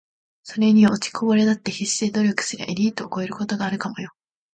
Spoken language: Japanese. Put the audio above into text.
｢それによ……落ちこぼれだって必死で努力すりゃエリートを超えることがあるかもよ｣